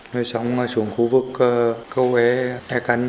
rồi xong xuống khu vực câu hé e cánh